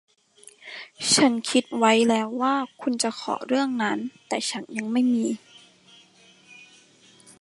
ฉันคิดไว้แล้วว่าคุณจะขอเรื่องนั้น แต่ฉันยังไม่มี